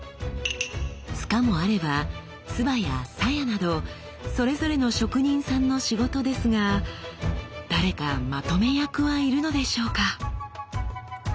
柄もあれば鐔や鞘などそれぞれの職人さんの仕事ですが誰かまとめ役はいるのでしょうか？